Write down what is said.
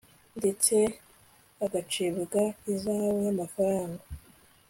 ndetse agacibwa ihazabu y'amafaranga